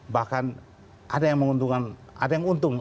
bahkan ada yang menguntungkan ada yang untung